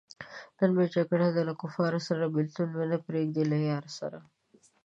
نن مې جګړه ده له کفاره سره- بېلتون مې نه پریېږدی له یاره سره